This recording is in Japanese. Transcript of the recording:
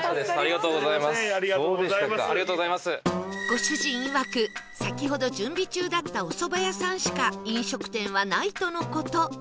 ご主人いわく先ほど準備中だったおそば屋さんしか飲食店はないとの事